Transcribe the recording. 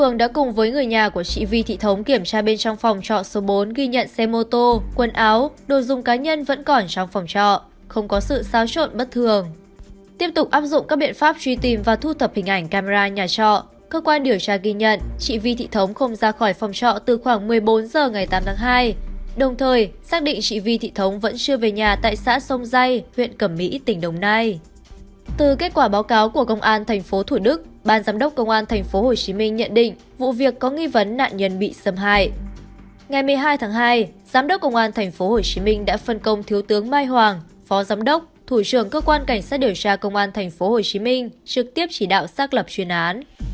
ngày một mươi hai tháng hai giám đốc công an tp hcm đã phân công thiếu tướng mai hoàng phó giám đốc thủ trưởng cơ quan cảnh sát điều tra công an tp hcm trực tiếp chỉ đạo xác lập chuyên án